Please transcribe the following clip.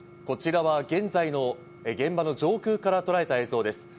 こちらは現在の現場の上空からとらえた映像です。